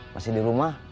masih di rumah